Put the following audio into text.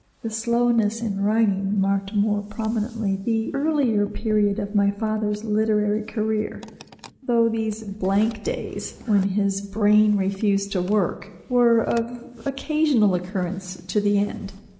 This slowness in writing marked more prominently the earlier period of my father's literary career, though these "blank days," when his brain refused to work, were of occasional occurrence to the end.